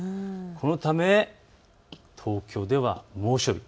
このため東京では猛暑日。